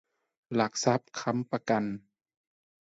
หลักทรัพย์ค้ำประกัน